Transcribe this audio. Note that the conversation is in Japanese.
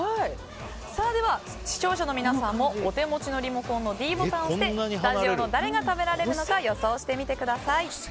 では、視聴者の皆さんもお手持ちのリモコンのｄボタンを押してスタジオの誰が食べられるのか予想してみてください。